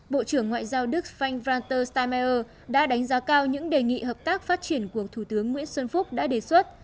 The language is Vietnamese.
bộ trưởng ngoại giao đức frank reuters stemmeier đã đánh giá cao những đề nghị hợp tác phát triển của thủ tướng nguyễn xuân phúc đã đề xuất